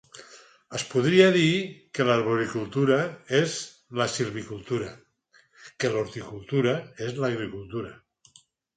Es podria dir que l'arboricultura és la silvicultura que l'horticultura és l'agricultura.